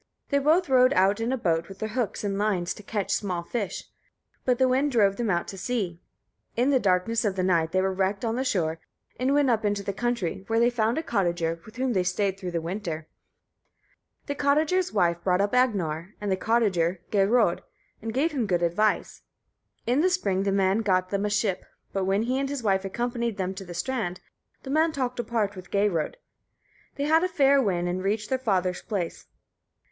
They both rowed out in a boat, with their hooks and lines, to catch small fish; but the wind drove them out to sea. In the darkness of the night they were wrecked on the shore, and went up into the country, where they found a cottager, with whom they stayed through the winter. The cottager's wife brought up Agnar, and the cottager, Geirröd, and gave him good advice. In the spring the man got them a ship; but when he and his wife accompanied them to the strand, the man talked apart with Geirröd. They had a fair wind, and reached their father's place.